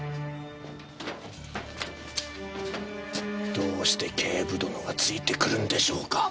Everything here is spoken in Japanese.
どうして警部殿がついて来るんでしょうか？